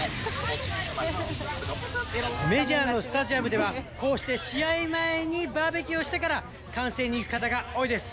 メジャーのスタジアムでは、こうして試合前にバーベキューしてから、観戦に行く方が多いです。